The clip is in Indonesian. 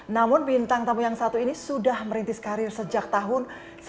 namun bintang tamu yang satu ini sudah merintis karir sejak tahun seribu sembilan ratus sembilan puluh